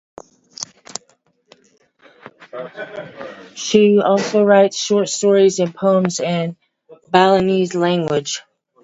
She also writes short stories and poems in Balinese language.